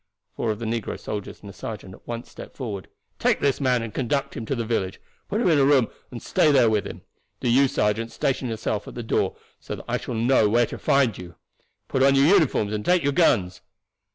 Four of the negro soldiers and a sergeant at once stepped forward. "Take this man and conduct him to the village. Put him in a room, and stay there with him. Do you, sergeant, station yourself at the door, so that I shall know where to find you. Put on your uniforms and take your guns."